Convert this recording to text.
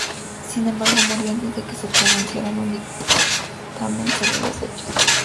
Sin embargo, murió antes de que se pronunciara un dictamen sobre los hechos.